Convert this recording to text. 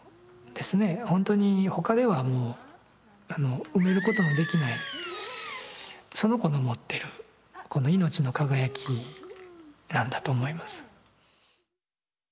ほんとに他ではもうあの埋めることのできないその子の持ってる命の輝きなんだと思います。